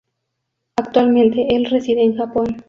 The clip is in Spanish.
Actualmente el reside en Japón.